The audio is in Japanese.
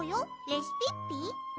レシピッピ？